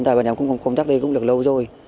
tại bạn em cũng có công tác đây cũng được lâu rồi